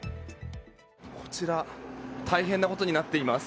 こちら大変なことになっています。